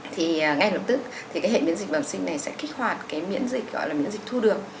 thì ngay lập tức thì cái hệ miễn dịch bẩm sinh này sẽ kích hoạt cái miễn dịch gọi là miễn dịch thu được